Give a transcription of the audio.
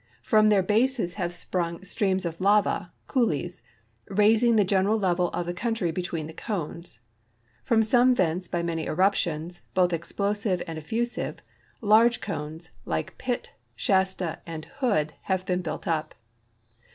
From their bases have spread streams of lava (coulees), raising the general level of the countr^^ between the cones. From some vents bAJ many eruptions, both explosive and effusive, large cones, like Pitt, Shasta, and Hood, have been built up.